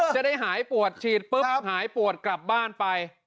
จะได้หายปวดฉีดปุ๊บหายปวดกลับบ้านไป